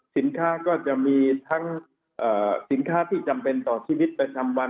สินค้าก็จะมีทั้งสินค้าที่จำเป็นต่อชีวิตประจำวัน